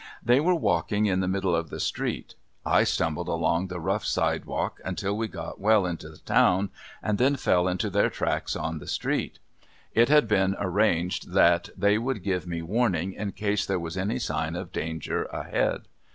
They were walking in the middle of the street. I stumbled along the rough side walk until we got well into the town and then fell into their tracks in the street. It had been arranged they would give me warning in case there was any sign of danger ahead.